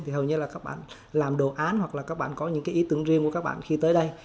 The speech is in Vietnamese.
thì hầu như là các bạn làm đồ án hoặc là các bạn có những cái ý tưởng riêng của các bạn khi tới đây